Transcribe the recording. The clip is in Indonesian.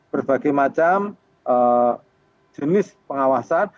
berbagai macam jenis pengawasan